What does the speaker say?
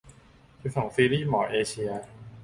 สิบสอง ซีรีส์หมอเอเชีย